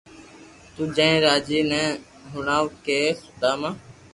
تو جائينن راجي ني ھوڻاو ڪي سوداما